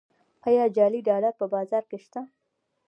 آیا جعلي ډالر په بازار کې شته؟